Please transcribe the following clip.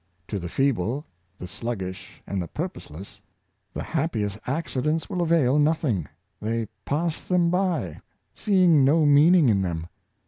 To the feeble, the sluggish and purposeless, the happiest acci dents will avail nothing — they pass them by, seeing no meaning in them.